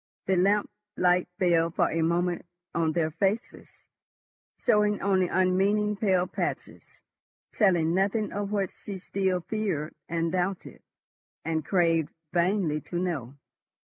The lamp light fell for a moment on their faces, showing only unmeaning pale patches, telling nothing of what she still feared, and doubted, and craved vainly to know.